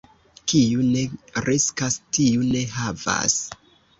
Kiu ne riskas, tiu ne havas.